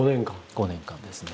５年間ですね。